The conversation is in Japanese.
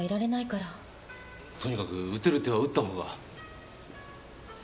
とにかく打てる手は打った方が。